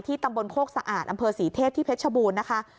ตำบลโคกสะอาดอำเภอศรีเทพที่เพชรชบูรณ์นะคะ